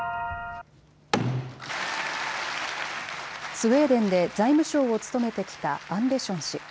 スウェーデンで財務相を務めてきたアンデション氏。